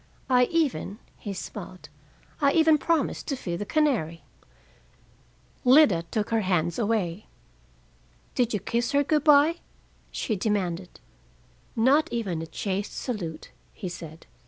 I even" he smiled "I even promised to feed the canary." Lida took her hands away. "Did you kiss her good by?" she demanded. "Not even a chaste salute," he said.